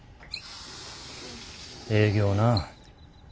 営業なぁ。